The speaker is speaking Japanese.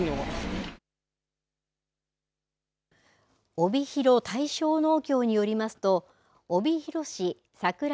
帯広たいしょう農協によりますと、帯広市さくら